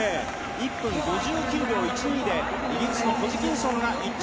１分５９秒１２でイギリスとホジキンソンが１着。